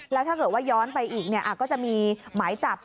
แล้วถ้าเกิดว่าย้อนไปอีกก็จะมีหมายจับ